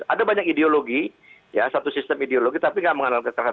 ada banyak ideologi ya satu sistem ideologi tapi tidak mengenal kekerasan